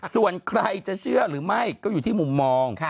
ส่วนใครจะเชื่อหรือไม่ก็อยู่ที่มุมมอง